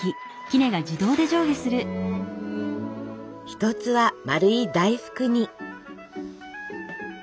一つは丸い大福に。